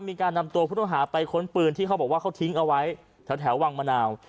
มีการนำตัวผู้ต้องหาไปค้นปืนที่เขาบอกว่าเขาทิ้งเอาไว้แถววังมะนาว